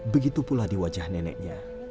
begitu pula di wajah neneknya